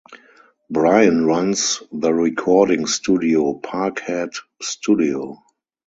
Brian runs the recording studio "Park Head Studio".